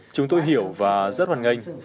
chúng tôi hiểu và rất hoàn nganh